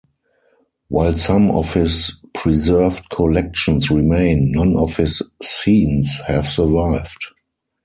While some of his preserved collections remain, none of his scenes have survived.